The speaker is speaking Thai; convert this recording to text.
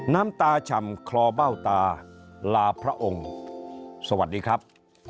น้ำตาฉ่ำคลอเบ้าตาลาพระองค์สวัสดีครับ